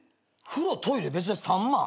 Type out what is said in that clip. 風呂トイレ別で３万！？